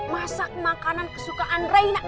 masak makanan kesukaan nerena